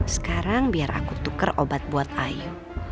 sekarang biar aku tukar obat buat ayu